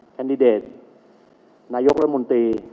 แคนดิเดตนายกรัฐมนตรี